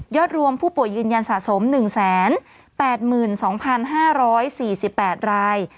รวมผู้ป่วยยืนยันสะสม๑๘๒๕๔๘ราย